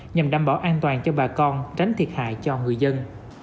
nhằm đảm bảo an toàn cho bà con tránh thiệt hại cho người dân